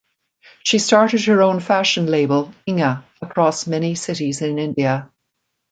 She started her own fashion label "Inga" across many cities in India.